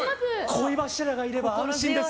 恋柱がいれば安心です！